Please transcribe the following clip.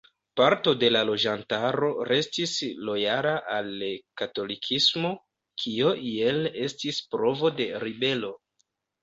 Parto de la loĝantaro restis lojala al katolikismo, kio iel estis provo de ribelo.